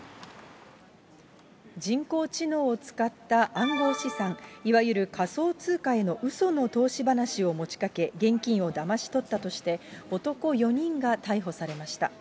人工知能を使った暗号資産、いわゆる仮想通貨へのうその投資話を持ちかけ、現金をだまし取ったとして、男４人が逮捕されました。